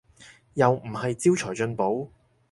又唔係招財進寶